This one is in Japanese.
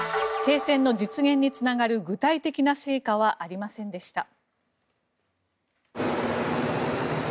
停戦の実現につながる具体的な成果はありませんでした。